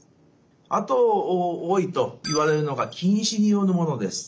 あと多いといわれるのが近視によるものです。